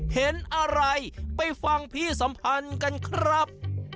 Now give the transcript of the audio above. เห็นอะไรไปฟังพี่สัมพันธ์กันครับ